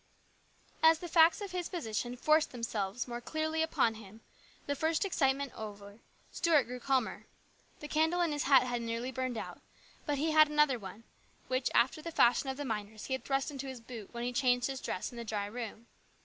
AS the facts of his position forced themselves more clearly upon him, the first excitement over, Stuart grew calmer. The candle in his hat was nearly burned out, but he had another one, which, after the fashion of the miners, he had thrust into his boot when he changed his dress in the dry room.